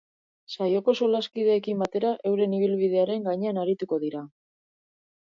Saioko solaskideekin batera euren ibilbidearen gainean arituko dira.